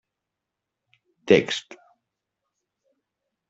Text: